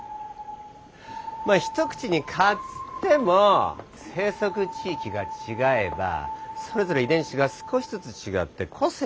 まあ一口に蚊つっても生息地域が違えばそれぞれ遺伝子が少しずつ違って個性がある。